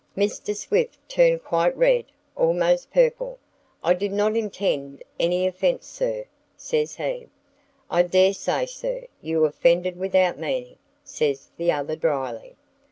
Mr. Swift turned quite red, almost purple. "I did not intend any offence, sir," says he. "I dare say, sir, you offended without meaning," says the other, dryly.